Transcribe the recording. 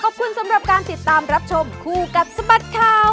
ขอบคุณสำหรับการติดตามรับชมคู่กับสบัดข่าว